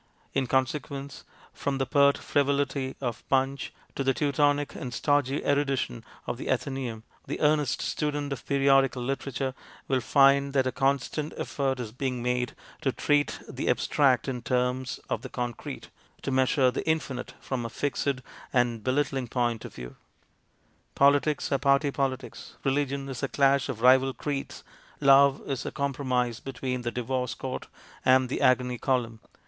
In consequence, from the pert frivolity of Punch to the Teutonic and stodgy erudition of the Athen ceum, the earnest student of periodical literature will find that a constant effort is being made to treat the abstract in terms of the concrete, to measure the infinite from a fixed and belittling point of view. Politics are party politics, religion is the clash of rival creeds, love is a compromise between the Divorce Court and the Agony column, IS ENGLAND DECADENT?